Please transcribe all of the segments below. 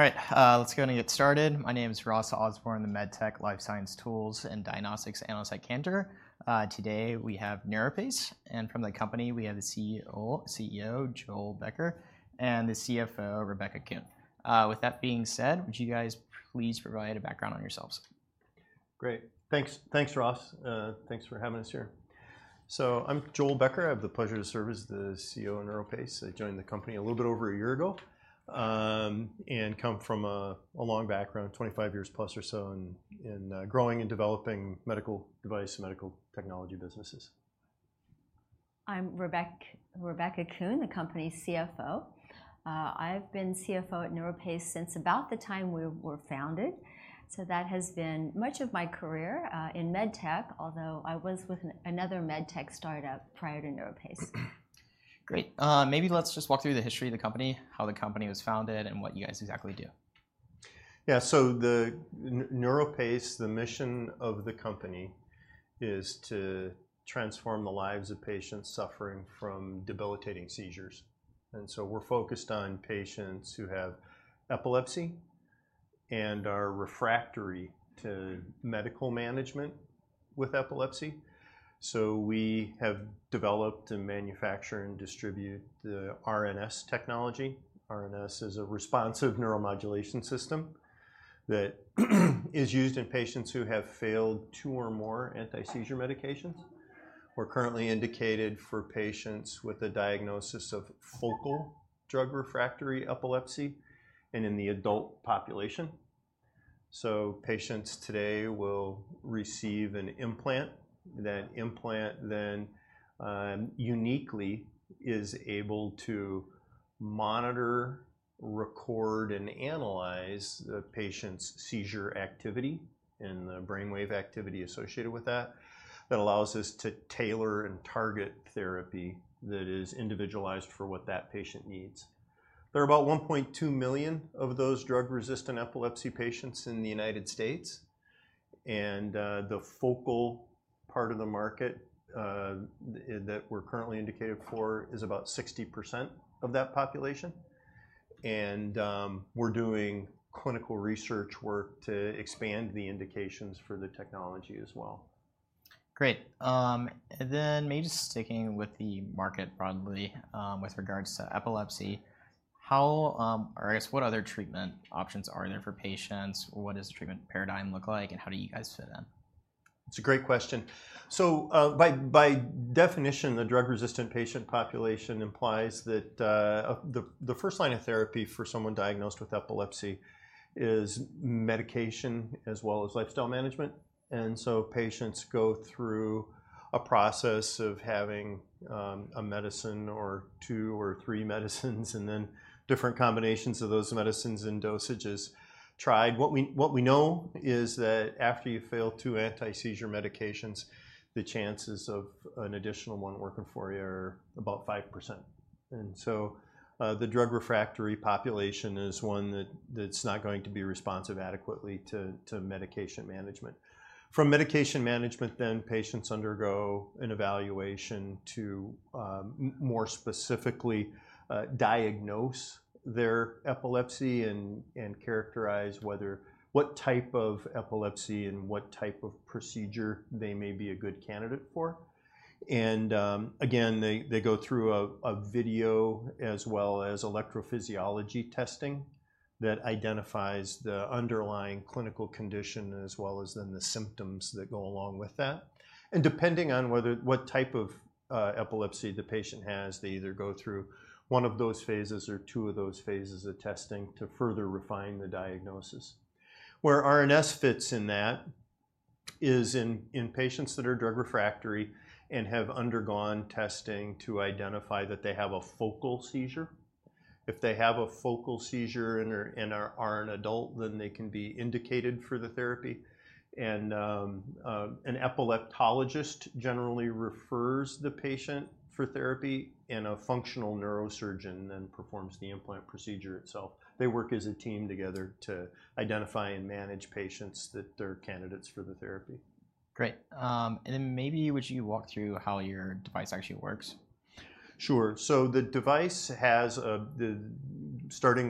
All right, let's go ahead and get started. My name is Ross Osborne, the med tech life science tools and diagnostics analyst at Cantor. Today we have NeuroPace, and from the company, we have the CEO, Joel Becker, and the CFO, Rebecca Kuhn. With that being said, would you guys please provide a background on yourselves? Great. Thanks. Thanks, Ross. Thanks for having us here. So I'm Joel Becker. I have the pleasure to serve as the CEO of NeuroPace. I joined the company a little bit over a year ago, and come from a long background, twenty-five years plus or so, in growing and developing medical device and medical technology businesses. I'm Rebecca Kuhn, the company's CFO. I've been CFO at NeuroPace since about the time we were founded, so that has been much of my career in med tech, although I was with another med tech startup prior to NeuroPace. Great. Maybe let's just walk through the history of the company, how the company was founded, and what you guys exactly do. Yeah, so the NeuroPace, the mission of the company is to transform the lives of patients suffering from debilitating seizures, and so we're focused on patients who have epilepsy and are refractory to medical management with epilepsy. So we have developed and manufacture and distribute the RNS technology. RNS is a responsive neuromodulation system that is used in patients who have failed two or more anti-seizure medications. We're currently indicated for patients with a diagnosis of focal drug-refractory epilepsy and in the adult population. Patients today will receive an implant. That implant then uniquely is able to monitor, record, and analyze the patient's seizure activity and the brainwave activity associated with that. That allows us to tailor and target therapy that is individualized for what that patient needs. There are about 1.2 million of those drug-resistant epilepsy patients in the United States, and the focal part of the market that we're currently indicated for is about 60% of that population. And we're doing clinical research work to expand the indications for the technology as well. Great. And then maybe just sticking with the market broadly, with regards to epilepsy, how, or I guess, what other treatment options are there for patients, or what does the treatment paradigm look like, and how do you guys fit in? It's a great question. So, by definition, the drug-resistant patient population implies that the first line of therapy for someone diagnosed with epilepsy is medication as well as lifestyle management. And so patients go through a process of having a medicine or two or three medicines and then different combinations of those medicines and dosages tried. What we know is that after you fail two anti-seizure medications, the chances of an additional one working for you are about 5%. And so, the drug-refractory population is one that's not going to be responsive adequately to medication management. From medication management, then patients undergo an evaluation to more specifically diagnose their epilepsy and characterize what type of epilepsy and what type of procedure they may be a good candidate for. Again, they go through a video as well as electrophysiology testing that identifies the underlying clinical condition as well as then the symptoms that go along with that. Depending on what type of epilepsy the patient has, they either go through one of those phases or two of those phases of testing to further refine the diagnosis. Where RNS fits in that is in patients that are drug-refractory and have undergone testing to identify that they have a focal seizure. If they have a focal seizure and are an adult, then they can be indicated for the therapy. An epileptologist generally refers the patient for therapy, and a functional neurosurgeon then performs the implant procedure itself. They work as a team together to identify and manage patients that they're candidates for the therapy. Great. And then maybe would you walk through how your device actually works? Starting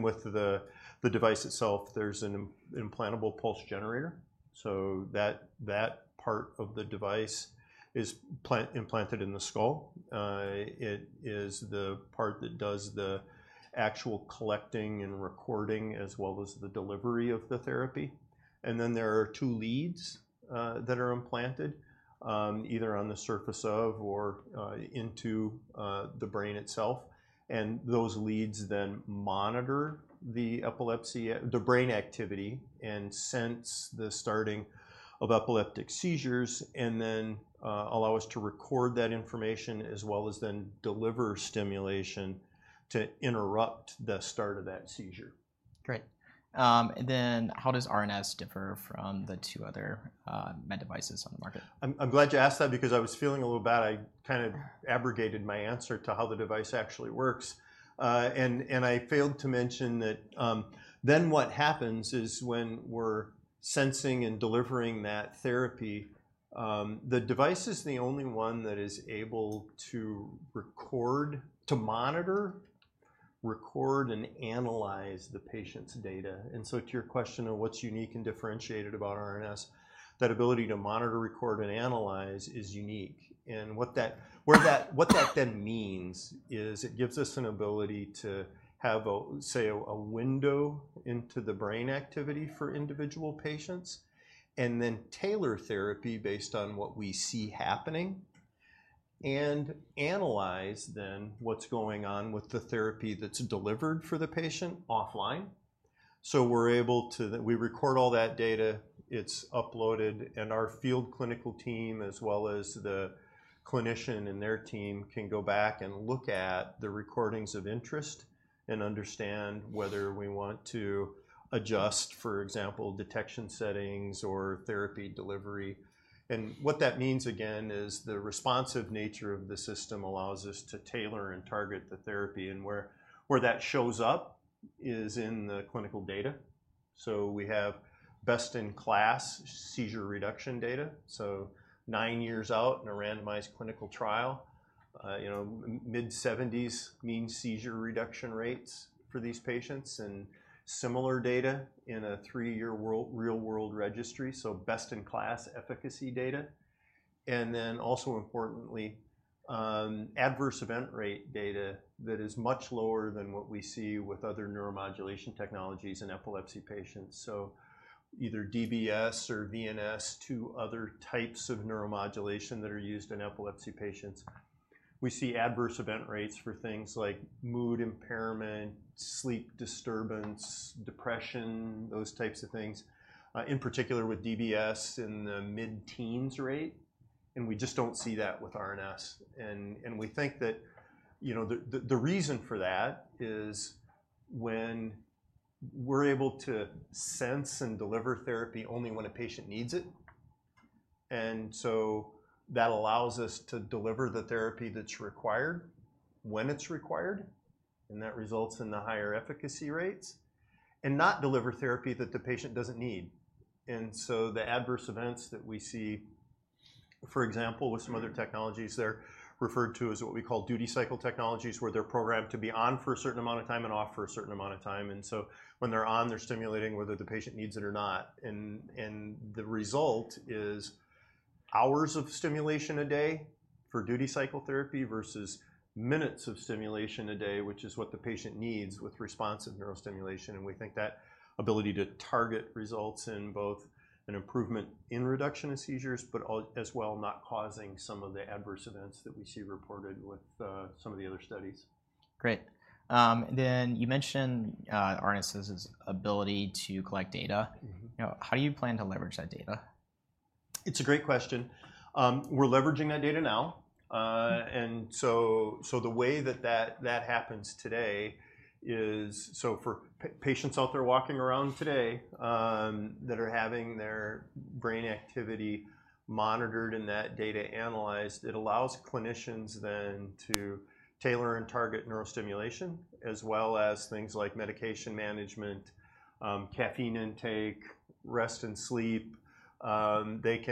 with the device itself, there's an implantable pulse generator, so that part of the device is implanted in the skull. It is the part that does the actual collecting and recording, as well as the delivery of the therapy. And then there are two leads that are implanted either on the surface of or into the brain itself. And those leads then monitor the epilepsy, the brain activity and sense the starting of epileptic seizures and then allow us to record that information as well as then deliver stimulation to interrupt the start of that seizure. Great, and then how does RNS differ from the two other med devices on the market? I'm glad you asked that because I was feeling a little bad. I kind of abrogated my answer to how the device actually works, and I failed to mention that, then what happens is when we're sensing and delivering that therapy, the device is the only one that is able to record, to monitor, record, and analyze the patient's data, and so to your question of what's unique and differentiated about RNS, that ability to monitor, record, and analyze is unique, and what that then means is it gives us an ability to have a, say, a window into the brain activity for individual patients, and then tailor therapy based on what we see happening, and analyze then what's going on with the therapy that's delivered for the patient offline. So we're able to record all that data. It's uploaded, and our field clinical team, as well as the clinician and their team, can go back and look at the recordings of interest and understand whether we want to adjust, for example, detection settings or therapy delivery. And what that means, again, is the responsive nature of the system allows us to tailor and target the therapy. And where that shows up is in the clinical data, so we have best-in-class seizure reduction data, nine years out in a randomized clinical trial, you know, mid-seventies mean seizure reduction rates for these patients, and similar data in a three-year real-world registry, so best-in-class efficacy data. And then also importantly, adverse event rate data that is much lower than what we see with other neuromodulation technologies in epilepsy patients. So either DBS or VNS, two other types of neuromodulation that are used in epilepsy patients, we see adverse event rates for things like mood impairment, sleep disturbance, depression, those types of things, in particular with DBS in the mid-teens rate, and we just don't see that with RNS. And we think that, you know, the reason for that is when we're able to sense and deliver therapy only when a patient needs it, and so that allows us to deliver the therapy that's required when it's required, and that results in the higher efficacy rates, and not deliver therapy that the patient doesn't need. And so the adverse events that we see, for example, with some other technologies, they're referred to as what we call duty cycle technologies, where they're programmed to be on for a certain amount of time and off for a certain amount of time. And so when they're on, they're stimulating whether the patient needs it or not, and the result is hours of stimulation a day for duty cycle therapy versus minutes of stimulation a day, which is what the patient needs with responsive neurostimulation. And we think that ability to target results in both an improvement in reduction of seizures, but as well, not causing some of the adverse events that we see reported with some of the other studies. Great. Then you mentioned RNS's ability to collect data. Mm-hmm. You know, how do you plan to leverage that data? It's a great question. We're leveraging that data now, and so the way that happens today is, so for patients out there walking around today that are having their brain activity monitored and that data analyzed, it allows clinicians then to tailor and target neurostimulation, as well as things like medication management, caffeine intake, rest and sleep. They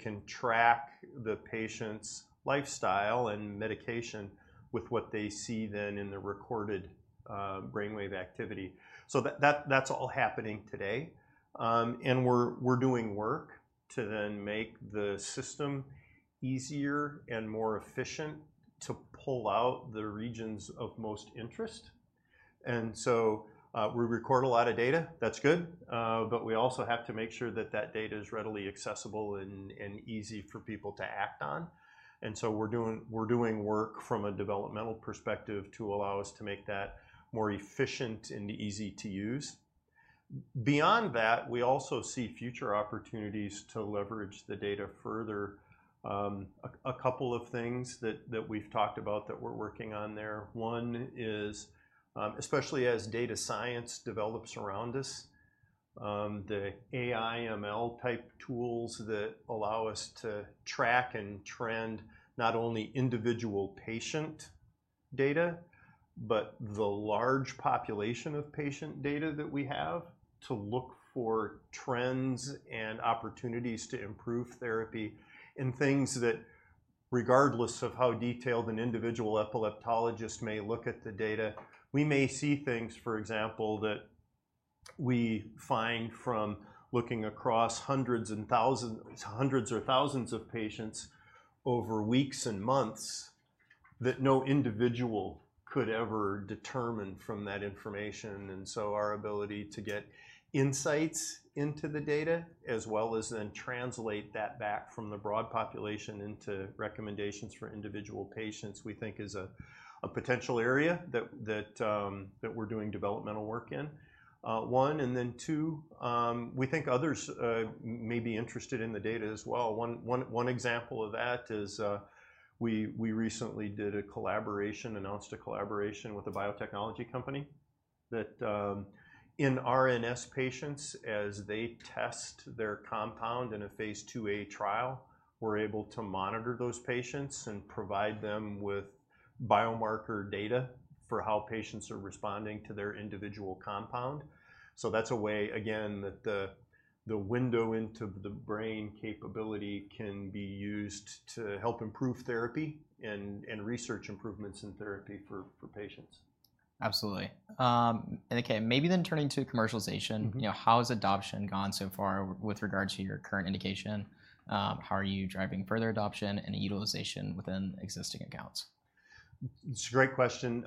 can track the patient's lifestyle and medication with what they see then in the recorded brainwave activity, so that's all happening today, and we're doing work to then make the system easier and more efficient to pull out the regions of most interest, and so we record a lot of data, that's good, but we also have to make sure that that data is readily accessible and easy for people to act on. And so we're doing work from a developmental perspective to allow us to make that more efficient and easy to use. Beyond that, we also see future opportunities to leverage the data further. A couple of things that we've talked about that we're working on there, one is especially as data science develops around us, the AI, ML-type tools that allow us to track and trend not only individual patient data, but the large population of patient data that we have, to look for trends and opportunities to improve therapy. And things that, regardless of how detailed an individual epileptologist may look at the data, we may see things, for example, that we find from looking across hundreds or thousands of patients over weeks and months, that no individual could ever determine from that information. And so our ability to get insights into the data, as well as then translate that back from the broad population into recommendations for individual patients, we think is a potential area that we're doing developmental work in, one. And then two, we think others may be interested in the data as well. One example of that is we recently announced a collaboration with a biotechnology company that in RNS patients, as they test their compound in a phase IIa trial, we're able to monitor those patients and provide them with biomarker data for how patients are responding to their individual compound. So that's a way, again, that the window into the brain capability can be used to help improve therapy and research improvements in therapy for patients. Absolutely. Okay, maybe then turning to commercialization- Mm-hmm. You know, how has adoption gone so far with regard to your current indication? How are you driving further adoption and utilization within existing accounts? It's a great question.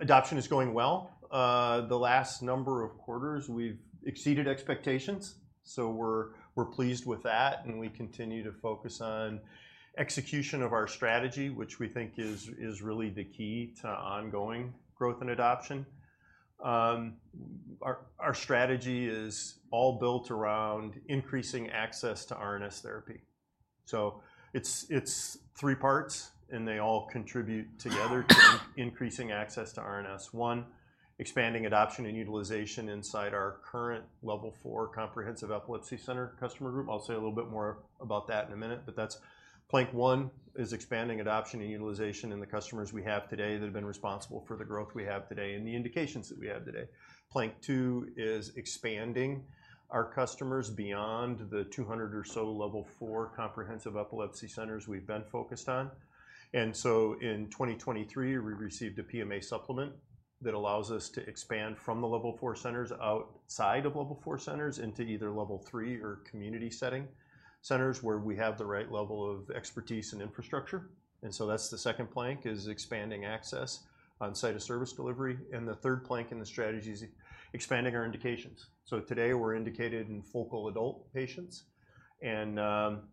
Adoption is going well. The last number of quarters, we've exceeded expectations, so we're pleased with that, and we continue to focus on execution of our strategy, which we think is really the key to ongoing growth and adoption. Our strategy is all built around increasing access to RNS therapy. So it's three parts, and they all contribute together to increasing access to RNS. One, expanding adoption and utilization inside our current Level 4 Comprehensive Epilepsy Center customer group. I'll say a little bit more about that in a minute, but that's plank one, is expanding adoption and utilization in the customers we have today that have been responsible for the growth we have today and the indications that we have today. Plank two is expanding our customers beyond the two hundred or so Level 4 Comprehensive Epilepsy Centers we've been focused on. And so in 2023, we received a PMA supplement that allows us to expand from the Level 4 centers outside of Level 4 centers into either Level 3 or community setting centers, where we have the right level of expertise and infrastructure. And so that's the second plank, is expanding access on site of service delivery. And the third plank in the strategy is expanding our indications. So today we're indicated in focal adult patients, and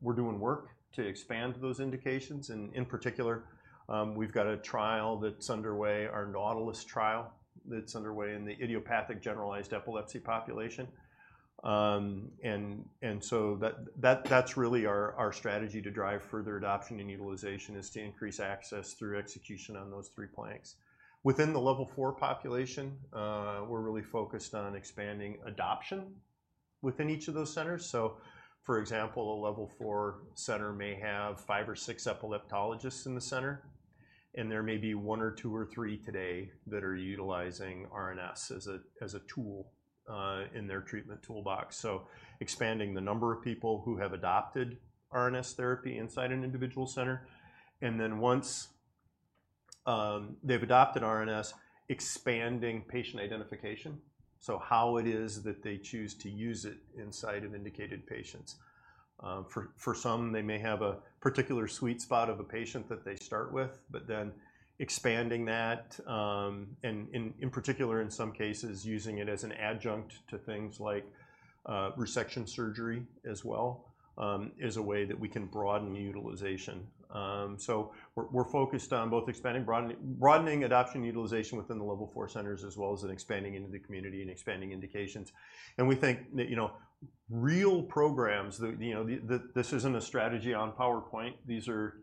we're doing work to expand those indications. And in particular, we've got a trial that's underway, our NAUTILUS trial, that's underway in the idiopathic generalized epilepsy population. And so that's really our strategy to drive further adoption and utilization, is to increase access through execution on those three planks. Within the Level 4 population, we're really focused on expanding adoption within each of those centers. So, for example, a Level 4 center may have five or six epileptologists in the center, and there may be one or two or three today that are utilizing RNS as a tool in their treatment toolbox, so expanding the number of people who have adopted RNS therapy inside an individual center. And then once they've adopted RNS, expanding patient identification, so how it is that they choose to use it inside of indicated patients. For some, they may have a particular sweet spot of a patient that they start with, but then expanding that, and in particular, in some cases, using it as an adjunct to things like resection surgery as well, is a way that we can broaden the utilization. So we're focused on both expanding, broadening adoption utilization within the Level 4 centers, as well as in expanding into the community and expanding indications. And we think that, you know, real programs, you know, that this isn't a strategy on PowerPoint. These are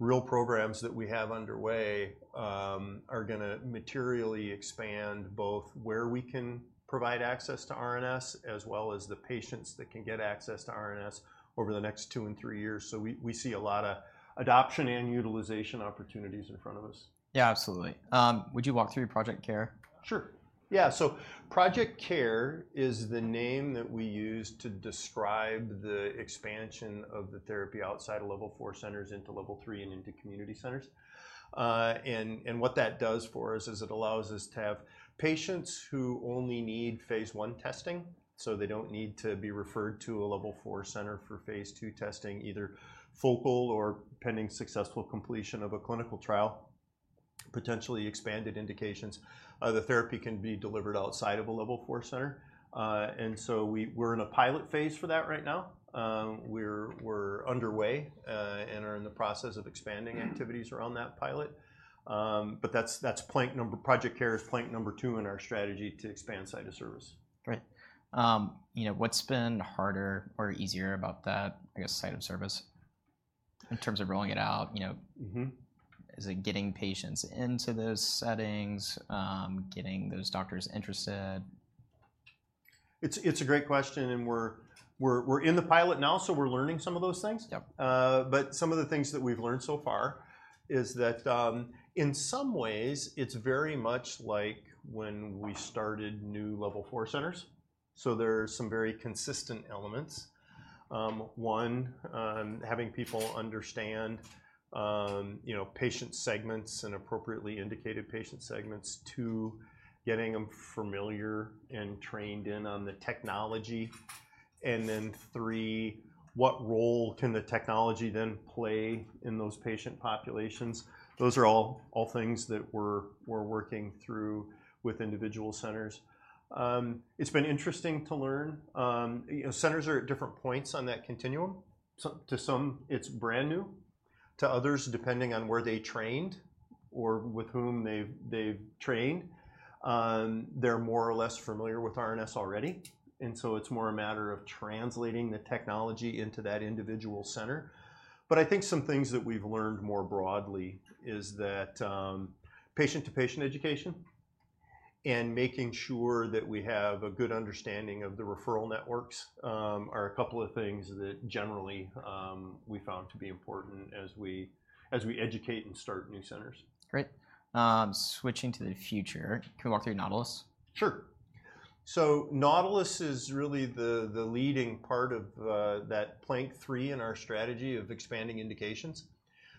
real programs that we have underway, are gonna materially expand both where we can provide access to RNS, as well as the patients that can get access to RNS over the next two and three years. So we see a lot of adoption and utilization opportunities in front of us. Yeah, absolutely. Would you walk through Project Care? Sure, yeah. So Project Care is the name that we use to describe the expansion of the therapy outside of Level 4 centers into Level 3 and into community centers. And what that does for us is it allows us to have patients who only need phase 1 testing, so they don't need to be referred to a Level 4 center for phase 2 testing, either focal or pending successful completion of a clinical trial, potentially expanded indications. The therapy can be delivered outside of a Level 4 center. And so we're in a pilot phase for that right now. We're underway and are in the process of expanding activities- Mm around that pilot, but that's plank number, Project Care is plank number two in our strategy to expand site of service. Great. You know, what's been harder or easier about that, I guess, site of service in terms of rolling it out, you know? Mm-hmm. Is it getting patients into those settings, getting those doctors interested? It's a great question, and we're in the pilot now, so we're learning some of those things. Yep. But some of the things that we've learned so far is that, in some ways, it's very much like when we started new Level 4 centers, so there are some very consistent elements. One, having people understand, you know, patient segments and appropriately indicated patient segments. Two, getting them familiar and trained in on the technology. And then three, what role can the technology then play in those patient populations? Those are all things that we're working through with individual centers. It's been interesting to learn. You know, centers are at different points on that continuum. Some to some, it's brand new. To others, depending on where they trained or with whom they've trained, they're more or less familiar with RNS already, and so it's more a matter of translating the technology into that individual center. But I think some things that we've learned more broadly is that patient-to-patient education and making sure that we have a good understanding of the referral networks are a couple of things that generally we found to be important as we educate and start new centers. Great. Switching to the future, can you walk through NAUTILUS? Sure. So NAUTILUS is really the leading part of that plank three in our strategy of expanding indications.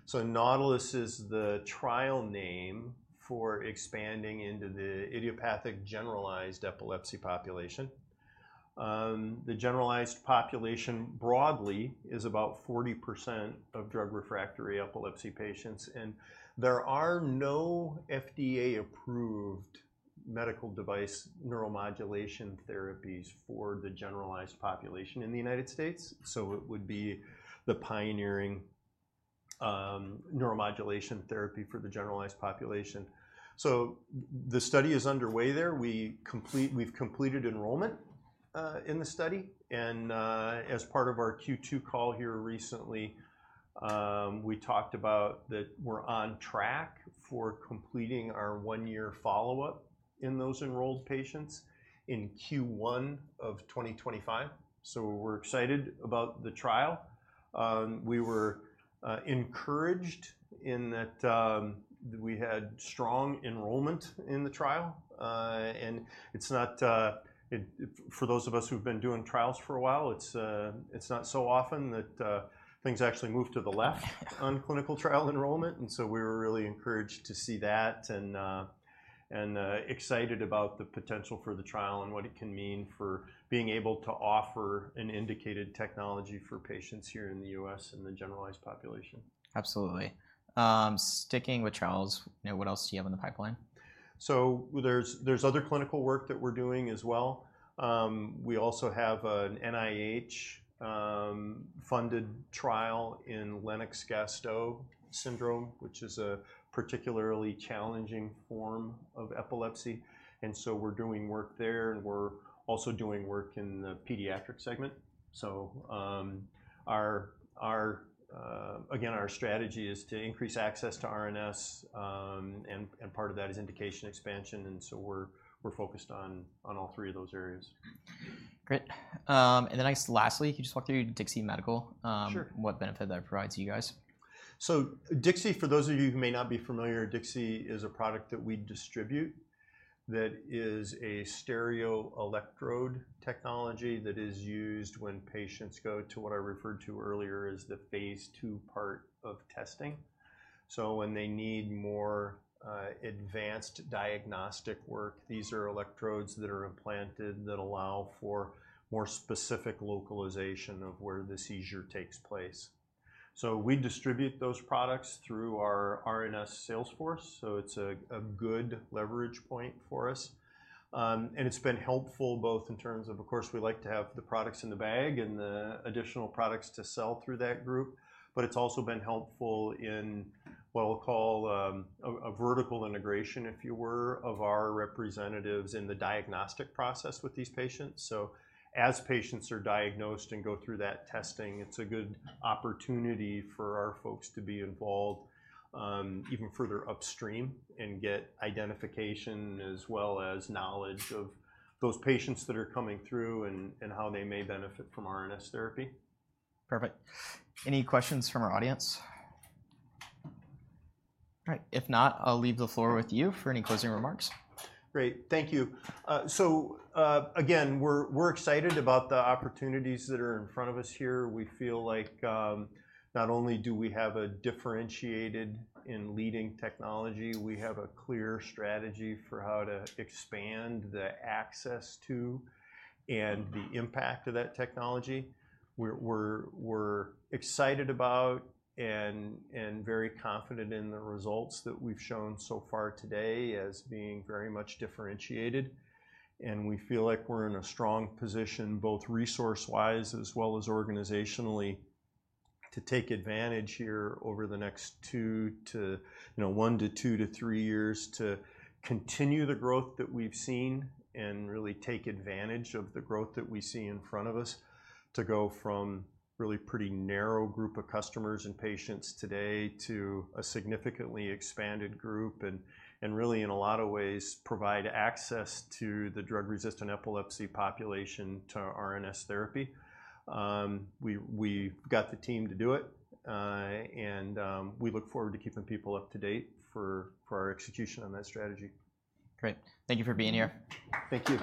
So NAUTILUS is the trial name for expanding into the idiopathic generalized epilepsy population. The generalized population broadly is about 40% of drug-refractory epilepsy patients, and there are no FDA-approved medical device neuromodulation therapies for the generalized population in the United States. So it would be the pioneering neuromodulation therapy for the generalized population. So the study is underway there. We've completed enrollment in the study, and as part of our Q2 call here recently, we talked about that we're on track for completing our one-year follow-up in those enrolled patients in Q1 of twenty twenty-five. So we're excited about the trial. We were encouraged in that we had strong enrollment in the trial. And it's not, for those of us who've been doing trials for a while, it's not so often that things actually move to the left on clinical trial enrollment, and so we were really encouraged to see that, and excited about the potential for the trial and what it can mean for being able to offer an indicated technology for patients here in the U.S. and the generalized population. Absolutely. Sticking with trials, you know, what else do you have in the pipeline? So there's other clinical work that we're doing as well. We also have an NIH-funded trial in Lennox-Gastaut syndrome, which is a particularly challenging form of epilepsy, and so we're doing work there, and we're also doing work in the pediatric segment. So again, our strategy is to increase access to RNS, and part of that is indication expansion, and so we're focused on all three of those areas. Great. And then next, lastly, can you just walk through DIXI Medical? Sure. What benefit that provides to you guys? DIXI, for those of you who may not be familiar, DIXI is a product that we distribute that is a stereo electrode technology that is used when patients go to what I referred to earlier as the phase two part of testing. When they need more advanced diagnostic work, these are electrodes that are implanted that allow for more specific localization of where the seizure takes place. We distribute those products through our RNS sales force, so it's a good leverage point for us. It's been helpful both in terms of, of course, we like to have the products in the bag and the additional products to sell through that group but it's also been helpful in what I'll call a vertical integration, if you will, of our representatives in the diagnostic process with these patients. So as patients are diagnosed and go through that testing, it's a good opportunity for our folks to be involved, even further upstream and get identification, as well as knowledge of those patients that are coming through and how they may benefit from RNS therapy. Perfect. Any questions from our audience? All right, if not, I'll leave the floor with you for any closing remarks. Great. Thank you, so again, we're excited about the opportunities that are in front of us here. We feel like, not only do we have a differentiated and leading technology, we have a clear strategy for how to expand the access to and the impact of that technology. We're excited about and very confident in the results that we've shown so far today as being very much differentiated, and we feel like we're in a strong position, both resource-wise as well as organizationally, to take advantage here over the next one to two to three years you know, to continue the growth that we've seen and really take advantage of the growth that we see in front of us, to go from really pretty narrow group of customers and patients today to a significantly expanded group, and really, in a lot of ways, provide access to the drug-resistant epilepsy population to RNS therapy. We've got the team to do it, and we look forward to keeping people up to date for our execution on that strategy. Great. Thank you for being here. Thank you.